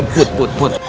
put put put